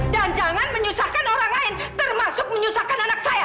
dan jangan menyusahkan orang lain termasuk menyusahkan anak saya